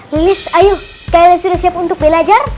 lilis ayo kalian sudah siap untuk belajar